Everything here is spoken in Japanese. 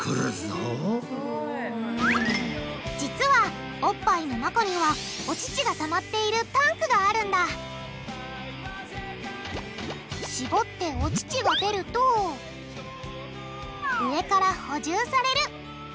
実はおっぱいの中にはお乳がたまっているタンクがあるんだしぼってお乳が出ると上から補充される。